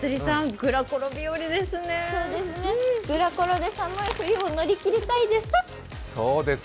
グラコロで寒い冬を乗り越えたいです。